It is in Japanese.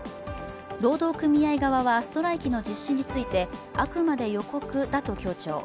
労働組合側はストライキの実施についてあくまで予告だと強調。